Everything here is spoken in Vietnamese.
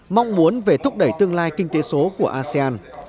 mong muốn về thúc đẩy tương lai kinh tế số của asean